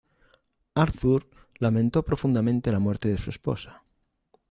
Arthur lamentó profundamente la muerte de su esposa.